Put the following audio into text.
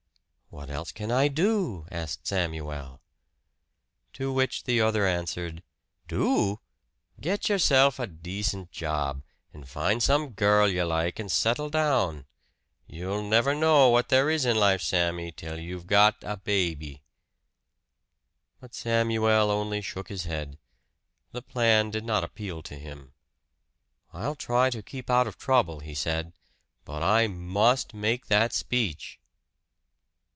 "What else can I do?" asked Samuel. To which the other answered, "Do? Get yourself a decent job, and find some girl you like and settle down. You'll never know what there is in life, Sammy, till you've got a baby." But Samuel only shook his head. The plan did not appeal to him. "I'll try to keep out of trouble," he said, "but I MUST make that speech!"